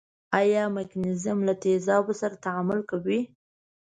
آیا مګنیزیم له تیزابو سره تعامل کوي؟